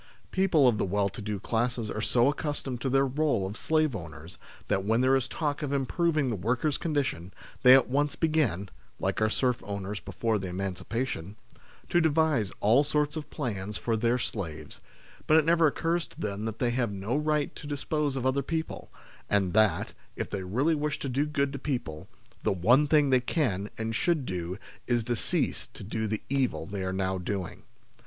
People of the well to do classes are so ac customed to their role of slave owners that when there is talk of improving the workers' condition, they at once begin (like our serf owners before the emancipation) to devise all sorts of plans for their slaves, but it never occurs to them that they have no right to dispose of other people ; and that, if they really wish to do good to people, the one thing they can and should do is to cease to do the evil they are now doing.